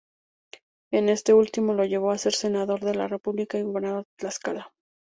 Este último lo llevó a ser Senador de la República y Gobernador de Tlaxcala.